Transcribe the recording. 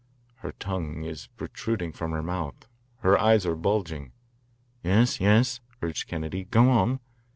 "Her tongue is protruding from her mouth, her eyes are bulging " "Yes, yes," urged Kennedy. "Go on."